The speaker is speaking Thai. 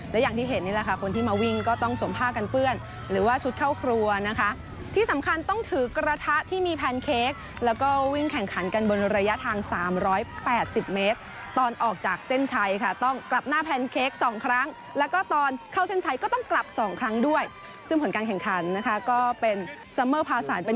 และอย่างที่เห็นนี่แหละค่ะคนที่มาวิ่งก็ต้องสวมผ้ากันเปื้อนหรือว่าชุดเข้าครัวนะคะที่สำคัญต้องถือกระทะที่มีแพนเค้กแล้วก็วิ่งแข่งขันกันบนระยะทาง๓๘๐เมตรตอนออกจากเส้นชัยค่ะต้องกลับหน้าแพนเค้กสองครั้งแล้วก็ตอนเข้าเส้นชัยก็ต้องกลับสองครั้งด้วยซึ่งผลการแข่งขันนะคะก็เป็นซัมเมอร์พาสารเป็น